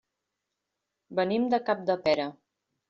Venim de Capdepera.